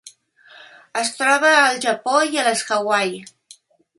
Es troba al Japó i a les Hawaii.